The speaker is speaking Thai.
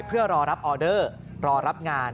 เพื่อรอรับออเดอร์รอรับงาน